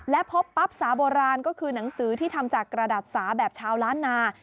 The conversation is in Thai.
และพบปั๊บสาโบราณก็คือหนังสือที่ทำจากกระดาษสาแบบชาวล้านนา